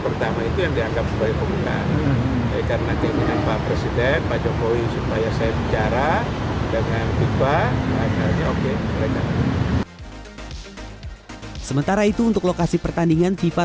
fifa telah memberi catatan untuk pembukaan piala dunia u dua puluh di indonesia